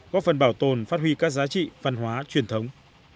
góp phần bảo tồn phát huy các giá trị văn hóa truyền thống